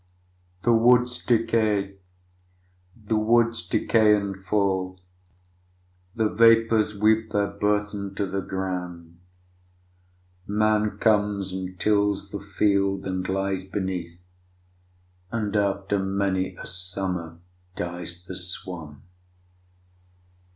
The woods decay, the woods decay and fall, The vapors weep their burthen to the ground, Man comes and tills the field and lies beneath, And after many a summer dies the swan.